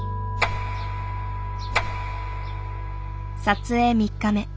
撮影３日目。